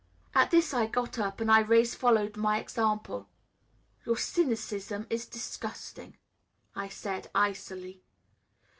At this I got up, and Irais followed my example. "Your cynicism is disgusting," I said icily.